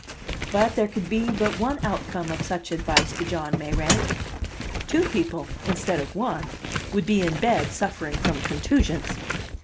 But there could be but one outcome of such advice to John Mayrant: two people, instead of one, would be in bed suffering from contusions.